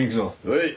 はい！